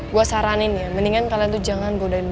gue saranin ya mendingan kalian tuh jangan bodohin aja ya